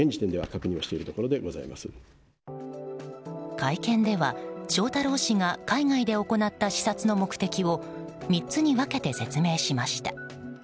会見では、翔太郎氏が海外で行った視察の目的を３つに分けて説明しました。